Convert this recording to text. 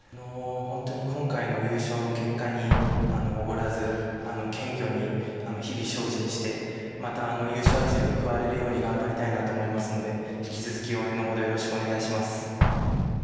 今回の優勝の結果におごらず、謙虚に日々精進して、優勝争いに加われるように頑張りたいなと思いますので、引き続き応援のほう、よろしくお願いします。